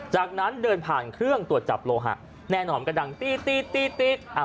จากนั้นเดินผ่านเครื่องตรวจจับโลหะแน่นอนก็ดังตีตี๊ดอ่ะ